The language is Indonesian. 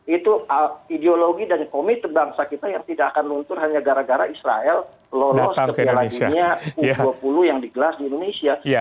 itu ideologi dan komite bangsa kita yang tidak akan luntur hanya gara gara israel lolos ke piala dunia u dua puluh yang digelar di indonesia